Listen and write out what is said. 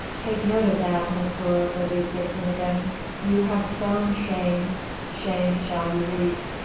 Take note of that, M. le duc de Kernogan! You have sown shame, shame shall you reap!